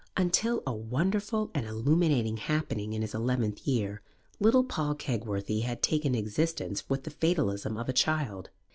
Until a wonderful and illuminating happening in his eleventh year, little Paul Kegworthy had taken existence with the fatalism of a child.